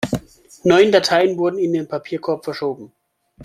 Neun Dateien wurden in den Papierkorb verschoben.